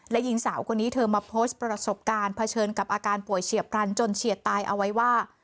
และหญิงสาวคนนี้เธอมาโพสต์ประสบการณ์เผชิญกับอาการป่วยเฉียบพลันจนเฉียดตายเอาไว้ว่า